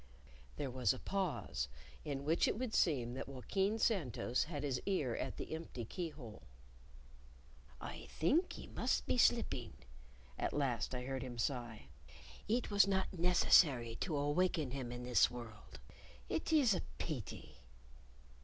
There was a pause, in which it would seem that Joaquin Santos had his ear at the empty keyhole. "I think he must be slipping," at last I heard him sigh. "It was not necessary to awaken him in this world. It is a peety."